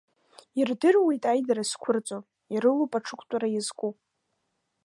Ирдыруеит аидара зқәырҵо, ирылоуп аҽықәтәара иазку.